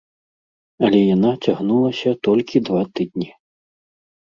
Але яна цягнулася толькі два тыдні.